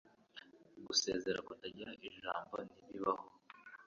Gusezera kutagira ijambo ntibibaho